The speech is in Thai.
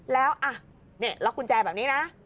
แล้วนี่ล็อกกุญแจแบบนี้นะ